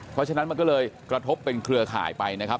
เพราะฉะนั้นมันก็เลยกระทบเป็นเครือข่ายไปนะครับ